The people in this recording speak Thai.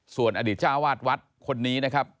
ส่วนอดีตเจ้าวาดวัดคนนี้นะครับ